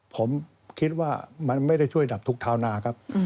ผมคิดว่ามันไม่ได้ช่วยดับทุกชาวนาครับ